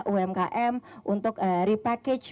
umkm untuk repackage